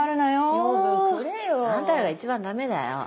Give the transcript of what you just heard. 養分くれよ。あんたらが一番ダメだよ。